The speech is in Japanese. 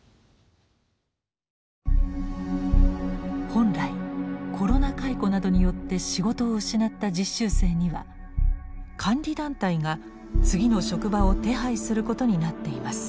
本来コロナ解雇などによって仕事を失った実習生には監理団体が次の職場を手配することになっています。